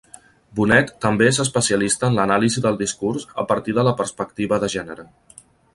Bonet també és especialista en l'anàlisi del discurs a partir de la perspectiva de gènere.